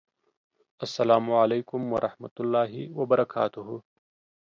السلام علیکم ورحمة الله وبرکاته